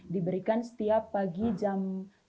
diberikan setiap pagi jam